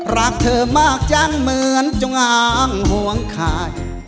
รักเธอมากจังเหมือนจงอางหวงขาด